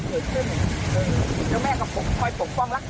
ยักษ์ครับไม่ต้องไปเอาใครต้องไปที่มันตายแล้วครับเออมันไม่ไหวแล้ว